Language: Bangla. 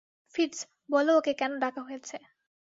ফিটজ, বলো ওকে কেন ডাকা হয়েছে।